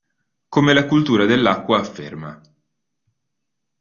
Come la cultura dell'acqua afferma.